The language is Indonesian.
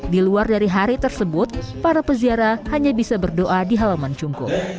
di luar dari hari tersebut para peziarah hanya bisa berdoa di halaman cungkung